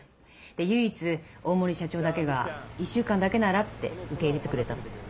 唯一大森社長だけが１週間だけならって受け入れてくれたの。